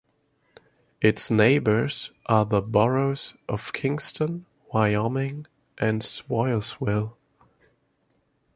Its neighbors are the boroughs of Kingston, Wyoming, and Swoyersville.